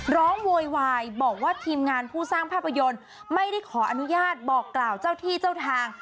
โวยวายบอกว่าทีมงานผู้สร้างภาพยนตร์ไม่ได้ขออนุญาตบอกกล่าวเจ้าที่เจ้าทาง